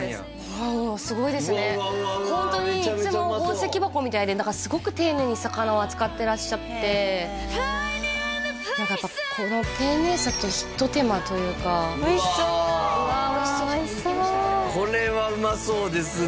もうすごいですねうわうわうわうわめちゃめちゃうまそうホントにいつも宝石箱みたいですごく丁寧に魚を扱ってらっしゃってやっぱこの丁寧さと一手間というかおいしそううわおいしそうこれはうまそうですね